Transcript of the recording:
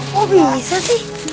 kok bisa sih